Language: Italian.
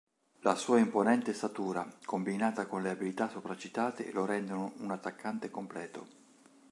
La sua imponente statura combinata con le abilità sopracitate lo rendono un attaccante completo.